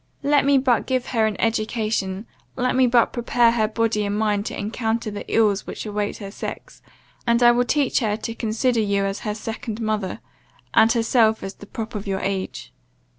Let me but give her an education let me but prepare her body and mind to encounter the ills which await her sex, and I will teach her to consider you as her second mother, and herself as the prop of your age.